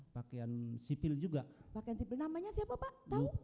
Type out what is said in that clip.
pakaian sipil namanya siapa pak tahu